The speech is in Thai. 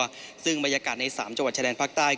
ครอบครัวซึ่งบรรยากาศใน๓จังหวัดชะแดนภาคใต้